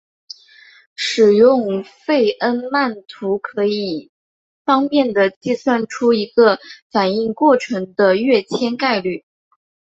使用费恩曼图可以方便地计算出一个反应过程的跃迁概率。